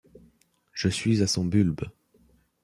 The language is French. Je suis à son bulbe.